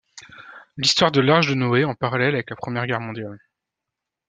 L'histoire de l'Arche de Noé en parallèle avec la Première Guerre mondiale.